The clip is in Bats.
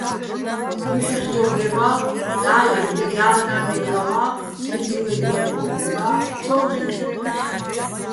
ჲუჰ̦ეხჯორ დება́, და́ლეგო̆, ლე დალნა́ნეგო̆ ლავა́, წმიდგივუ́ჲრგ დაკვო́ჸვება́, ცო́მ ხილ'ო̆.